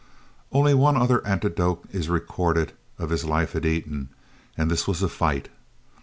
Only one other anecdote is recorded of his life at Eton, and this was a fight!